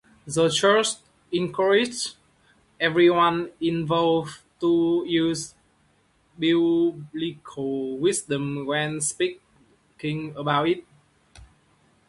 The church encourages everyone involved to use biblical wisdom when speaking about it.